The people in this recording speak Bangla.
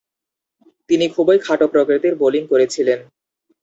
তিনি খুবই খাঁটো প্রকৃতির বোলিং করেছিলেন।